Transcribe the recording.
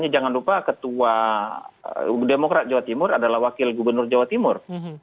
jangan lupa ketua demokrat jawa timur adalah wakil gubernur jawa timur